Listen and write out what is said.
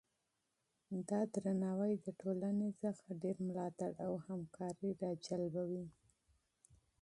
دا درناوی د ټولنې څخه ډیر ملاتړ او همکاري راجلبوي.